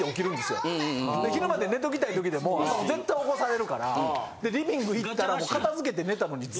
昼まで寝ときたい時でも絶対起こされるからリビング行ったら。